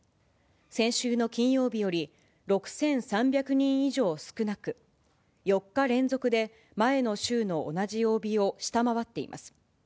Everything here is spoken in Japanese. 先週の金曜日より６３００人以上少なく、４日連続で前の週の同じ曜日を下回っています。